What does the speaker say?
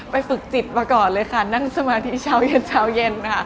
ไปฝึกจิตมาก่อนเลยค่ะนั่งสมาธิเช้าเย็น